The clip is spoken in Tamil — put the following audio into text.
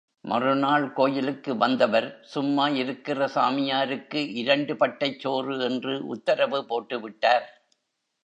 மறுநாள் கோயிலுக்கு வந்தவர், சும்மா இருக்கிற சாமியாருக்கு இரண்டு பட்டைச் சோறு என்று உத்தரவு போட்டுவிட்டார்.